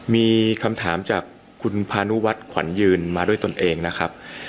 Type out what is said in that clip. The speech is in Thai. มีคำถามจากคุณพานุวัฒน์ขวัญยืนมาด้วยตนเองนะครับ